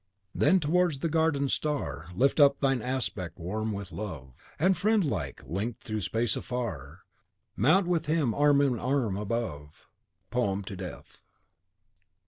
Then towards the Garden of the Star Lift up thine aspect warm with love, And, friendlike link'd through space afar, Mount with him, arm in arm, above. Uhland, "Poem to Death."